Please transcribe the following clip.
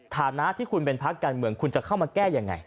ฐานะที่คุณเป็นพักการเมืองคุณจะเข้ามาแก้ยังไง